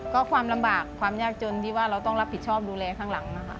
ก็ความลำบากความยากจนที่ว่าเราต้องรับผิดชอบดูแลข้างหลังนะคะ